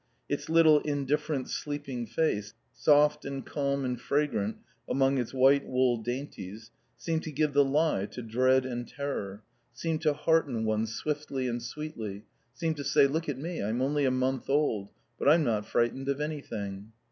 Its little indifferent sleeping face, soft and calm and fragrant among its white wool dainties, seemed to give the lie to dread and terror; seemed to hearten one swiftly and sweetly, seemed to say: "Look at me, I'm only a month old. But I'm not frightened of anything!"